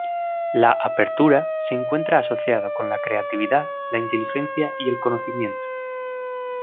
La Apertura se encuentra asociada con la creatividad, la inteligencia y el conocimiento.